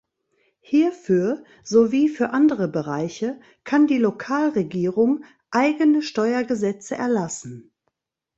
Hierfür sowie für andere Bereiche kann die Lokalregierung eigene Steuergesetze erlassen.